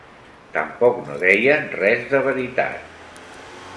Tampoc no deien res de veritat.